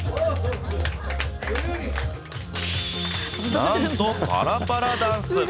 なんとパラパラダンス。